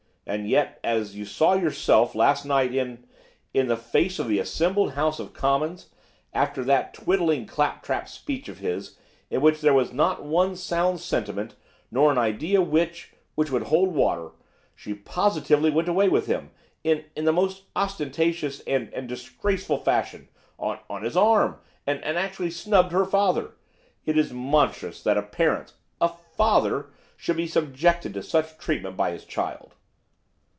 And yet, as as you saw yourself, last night, in in the face of the assembled House of Commons, after that twaddling clap trap speech of his, in which there was not one sound sentiment, nor an idea which which would hold water, she positively went away with him, in in the most ostentatious and and disgraceful fashion, on on his arm, and and actually snubbed her father. It is monstrous that a parent a father! should be subjected to such treatment by his child.